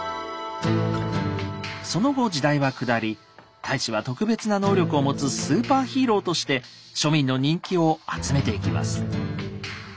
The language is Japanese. その後時代は下り太子は特別な能力を持つスーパーヒーローとして庶民の人気を集めていきます。